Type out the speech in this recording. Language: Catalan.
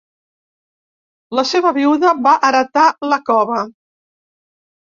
La seva viuda va heretar la cova.